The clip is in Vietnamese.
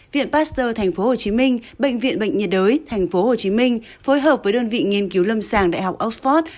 viện pasteur tp hcm bệnh viện bệnh nhiệt đới tp hcm phối hợp với đơn vị nghiên cứu lâm sàng đại học oxford